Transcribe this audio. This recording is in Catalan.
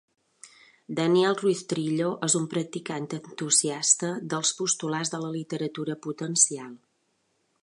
Daniel Ruiz-Trillo és un practicant entusiasta dels postulats de la literatura potencial.